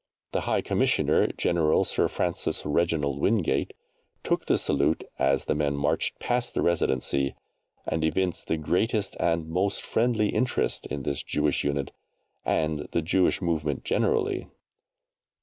The High Commissioner, General Sir Francis Reginald Wingate, took the salute as the men marched past the Residency, and evinced the greatest and most friendly interest in this Jewish unit and the Jewish movement generally.